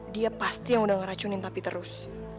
dia pasti yang udah ngeracunin tapi terus